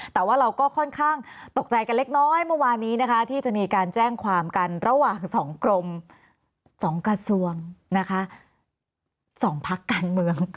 แต่ว่าเราก็ค่อนข้างตกใจกันเล็กน้อยเมื่อวานนี้นะคะที่จะมีการแจ้งความกันระหว่าง๒กรม๒กระทรวงนะคะ๒พักการเมือง